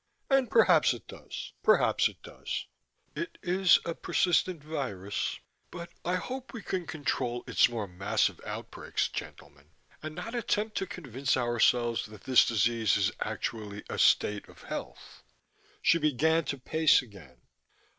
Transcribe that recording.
And perhaps it does, perhaps it does. It is a persistent virus. But I hope we can control its more massive outbreaks, gentlemen, and not attempt to convince ourselves that this disease is actually a state of health." She began to pace again.